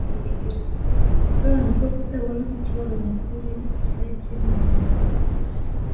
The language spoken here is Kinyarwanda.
bwanyu bwo kutabona aho ikibazo nyakuri cyari kiri mbere